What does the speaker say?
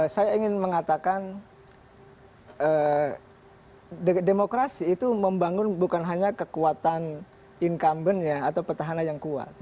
saya ingin mengatakan demokrasi itu membangun bukan hanya kekuatan incumbent atau petahana yang kuat